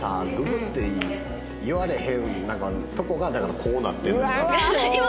ッて言われへんとこがだからこうなってんのよ。